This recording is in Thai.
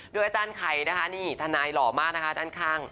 โดยอาจารย์ไข่นะคะนี่ทนายหล่อมากนะคะด้านข้าง